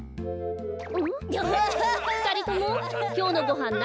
ふたりともきょうのごはん